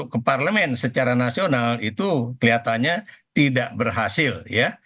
ke parlemen secara nasional itu kelihatannya tidak berhasil ya